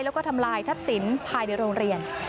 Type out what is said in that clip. แล้วก็ทำลายทรัพย์สินภายในโรงเรียน